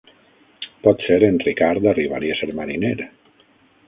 Potser en Ricard arribaria a ser mariner.